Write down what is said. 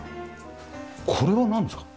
これはなんですか？